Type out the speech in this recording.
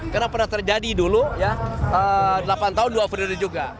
karena pernah terjadi dulu delapan tahun dua periode juga